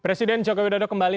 presiden joko widodo kembali